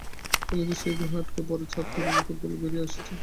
থাইল্যান্ডের সেই গুহায় আটকে পড়া চার তরুণ ফুটবলার বেরিয়ে এসেছে।